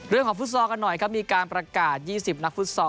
ฟุตซอลกันหน่อยครับมีการประกาศ๒๐นักฟุตซอล